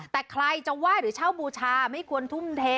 แต่ใครจะไหว้หรือเช่าบูชาไม่ควรทุ่มเท